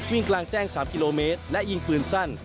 กลางแจ้ง๓กิโลเมตรและยิงปืนสั้น